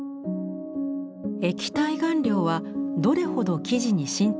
液体顔料はどれほど生地に浸透しやすいのか。